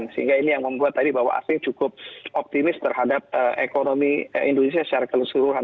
sehingga ini yang membuat tadi bahwa asing cukup optimis terhadap ekonomi indonesia secara keseluruhan